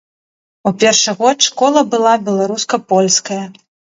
У першы год школа была беларуска-польская.